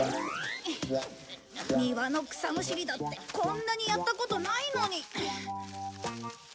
庭の草むしりだってこんなにやったことないのに。